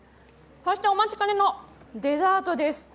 そしてお待ちかねのデザートです。